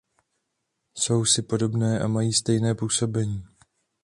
Jsou si podobné a mají stejné působení.